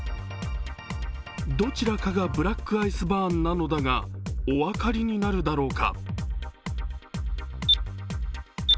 どちらかがブラックアイスバーンなのだが、お分かりになるだろうか？